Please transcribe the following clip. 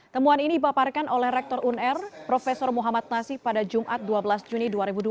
temuan ini dipaparkan oleh rektor unr prof muhammad nasih pada jumat dua belas juni dua ribu dua puluh